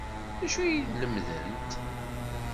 D acu ay la lemmdent?